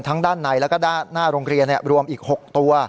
ด้านในแล้วก็ด้านหน้าโรงเรียนรวมอีก๖ตัว